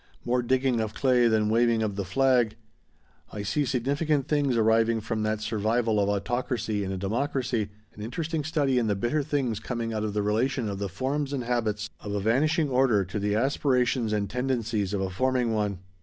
More digging of clay than waving of the flag. I see significant things arising from that survival of autocracy in a democracy, an interesting study in the bitter things coming out of the relation of the forms and habits of a vanishing order to the aspirations and tendencies of a forming one.